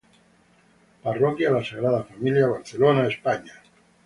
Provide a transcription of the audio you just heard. Parroquia ¨La Sagrada familia¨, Barcelona, España.